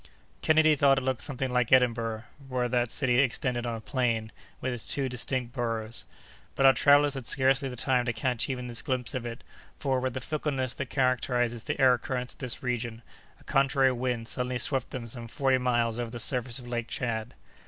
Kennedy thought it looked something like Edinburgh, were that city extended on a plain, with its two distinct boroughs. But our travellers had scarcely the time to catch even this glimpse of it, for, with the fickleness that characterizes the air currents of this region, a contrary wind suddenly swept them some forty miles over the surface of Lake Tchad.